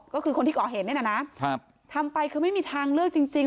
ก็คือคนที่ก็เห็นนี่แน่น่ะนะครับทำไปคือไม่มีทางเลือกจริงจริง